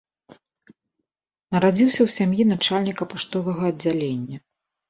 Нарадзіўся ў сям'і начальніка паштовага аддзялення.